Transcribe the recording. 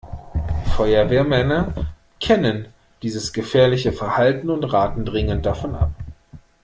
Feuerwehrmänner kennen dieses gefährliche Verhalten und raten dringend davon ab.